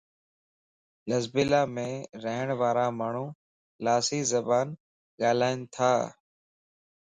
لسبيلا مَ رھڻ وارا ماڻھو لاسي زبان ڳالھائينتا